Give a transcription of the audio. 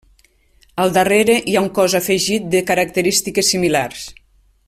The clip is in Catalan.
Al darrere hi ha un cos afegit de característiques similars.